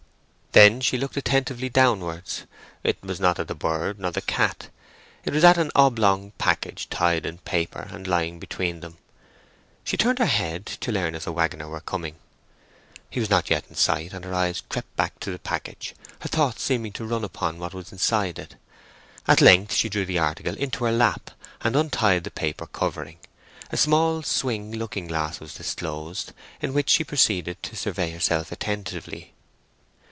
Then she looked attentively downwards. It was not at the bird, nor at the cat; it was at an oblong package tied in paper, and lying between them. She turned her head to learn if the waggoner were coming. He was not yet in sight; and her eyes crept back to the package, her thoughts seeming to run upon what was inside it. At length she drew the article into her lap, and untied the paper covering; a small swing looking glass was disclosed, in which she proceeded to survey herself attentively.